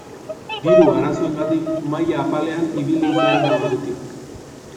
Diru arazoengatik maila apalean ibili izan da ordutik.